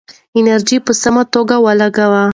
انرژي په سمه توګه ولګوئ.